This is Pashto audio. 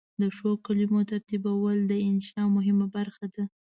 د ښو کلمو ترتیبول د انشأ مهمه برخه ده.